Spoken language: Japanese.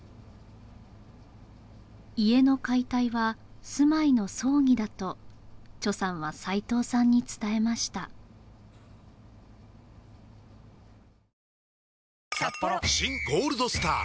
家の解体は住まいの葬儀だとさんは齊藤さんに伝えました「新ゴールドスター」！